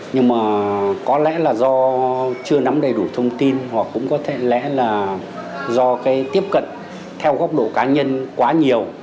nhưng mà có lẽ là do chưa nắm đầy đủ thông tin hoặc cũng có thể lẽ là do cái tiếp cận theo góc độ cá nhân quá nhiều